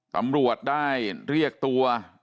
ตำรวจได้เรียกตัว